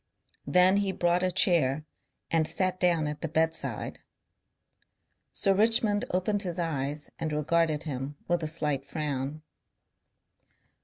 Then he brought a chair and sat down at the bedside. Sir Richmond opened his eyes and regarded him with a slight frown.